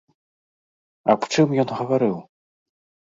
Аб чым ён гаварыў?